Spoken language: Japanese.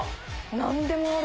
何でもある！